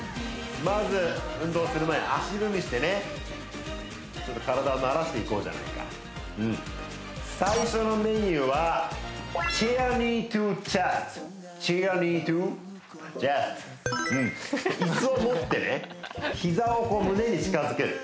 まず運動する前足踏みしてねちょっと体を慣らしていこうじゃないか最初のメニューはチェアニートゥーチェストチェアニートゥーチェストうんイスを持ってね膝を胸に近づける